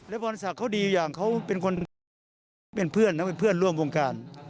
และพรศักดิ์เขาดีอยู่อย่างเขาเป็นคนเป็นเพื่อนและเป็นเพื่อนร่วมวงการ